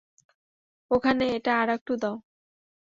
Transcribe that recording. ওখানে এটা আরেকটু দাও।